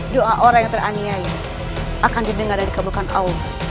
doa orang yang teraniai akan didengar dari kebukaan allah